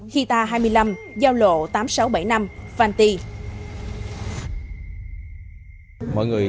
khi ta hai mươi năm giao lộ tám sáu bảy năm fan ti